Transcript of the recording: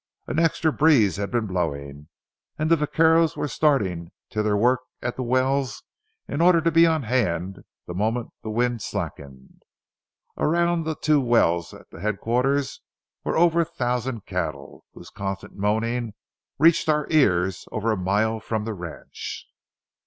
An extra breeze had been blowing, and the vaqueros were starting to their work at the wells in order to be on hand the moment the wind slackened. Around the two wells at headquarters were over a thousand cattle, whose constant moaning reached our ears over a mile from the ranch.